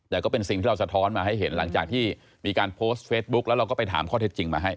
แต่ก็เป็นสิ่งที่เราสะท้อนมาให้เห็นหลังจากที่มีการโพสต์เฟซบุ๊คแล้วเราก็ไปถามข้อเท็จจริงมาให้